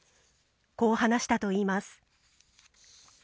こう話したといいます。